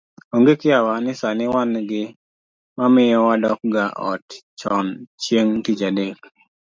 Onge kiawa ni sani wan gi mamiyo wadokga ot chon chieng' tich adek